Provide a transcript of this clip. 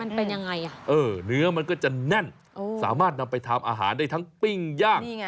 มันเป็นยังไงอ่ะเออเนื้อมันก็จะแน่นสามารถนำไปทำอาหารได้ทั้งปิ้งย่าง